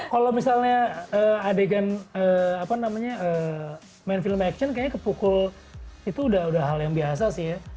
kalau misalnya adegan apa namanya main film action kayaknya kepukul itu udah hal yang biasa sih ya